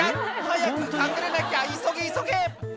早く隠れなきゃ急げ急げ！」